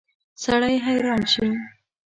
سړی حیران شي.